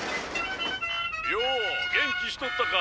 よお元気しとったか。